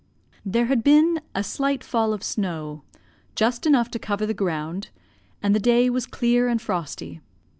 "There had been a slight fall of snow, just enough to cover the ground, and the day was clear and frosty.